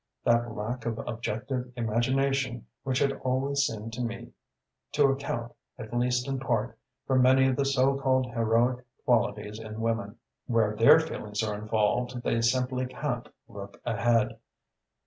that lack of objective imagination which had always seemed to me to account, at least in part, for many of the so called heroic qualities in women. When their feelings are involved they simply can't look ahead.